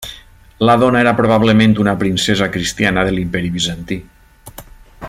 La dona era probablement una princesa cristiana de l'Imperi bizantí.